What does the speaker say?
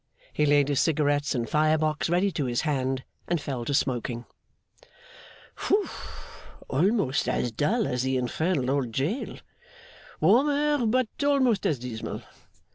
He laid his cigarettes and fire box ready to his hand, and fell to smoking. 'Whoof! Almost as dull as the infernal old jail. Warmer, but almost as dismal.